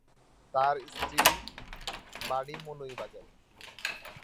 তার স্ত্রীর বাড়ি মৌলভীবাজারে।